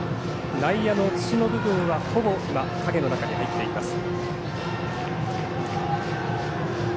内野の土の部分はほぼ影の中に入っています。